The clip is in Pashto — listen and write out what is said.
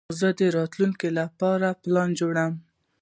زه د راتلونکي لپاره پلان جوړوم.